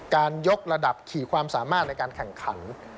ยกระดับขี่ความสามารถในการแข่งขัน